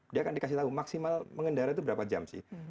dia akan dikasih tahu maksimal mengendara itu berapa jam sih